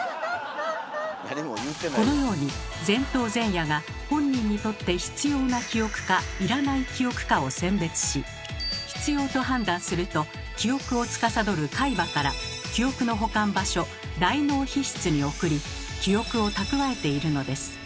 このように前頭前野が本人にとって必要な記憶か要らない記憶かを選別し必要と判断すると記憶をつかさどる海馬から記憶の保管場所大脳皮質に送り記憶を蓄えているのです。